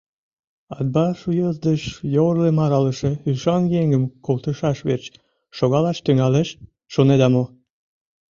Атбаш уездыш йорлым аралыше ӱшан еҥым колтышаш верч шогалаш тӱҥалеш, шонеда мо?